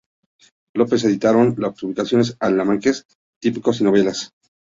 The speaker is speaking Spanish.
Los López editaron muchas publicaciones, almanaques, trípticos y novelas.